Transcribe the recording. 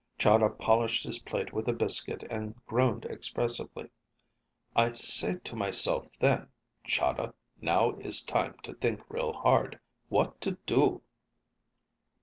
Chahda polished his plate with a biscuit and groaned expressively. "I say to myself then, Chahda, now is time to think real hard. What to do?"